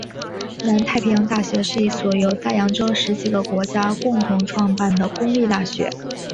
南太平洋大学是一所由大洋洲十几个国家共同创办的公立大学。